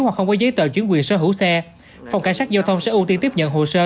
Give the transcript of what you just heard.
hoặc không có giấy tờ chuyển quyền sở hữu xe phòng cảnh sát giao thông sẽ ưu tiên tiếp nhận hồ sơ